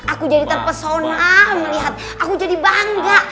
aku jadi terpesona melihat aku jadi bangga